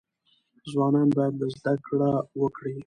ځوانان باید له ده زده کړه وکړي.